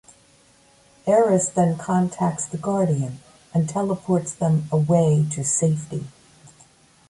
Eris then contacts the Guardian and teleports them away to safety.